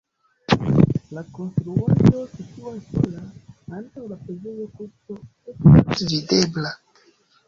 La konstruaĵo situas sola, antaŭ la preĝejo kruco estas videbla.